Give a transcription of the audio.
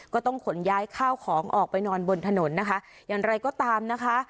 ก็ต้องขนย้ายข้าวของออกไปนอนบนถนนนะคะอย่างไรก็ตามนะคะ